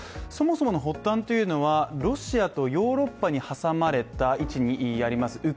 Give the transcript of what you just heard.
そもそもの発端というのは、ロシアとヨーロッパに挟まれた位置にあります